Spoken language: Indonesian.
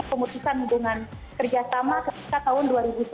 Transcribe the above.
jadi pemutusan hubungan kerjasama ketika tahun dua ribu sebelas